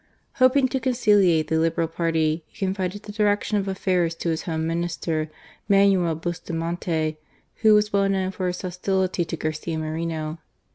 Hoping to conciliate the Liberal party, he confided the direction of affairs to his Home Minister, Manuel Bustamante, who was well known for his hostility to Garcia Moreno.